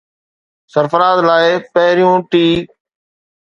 سرفراز لاءِ پهريون ٽي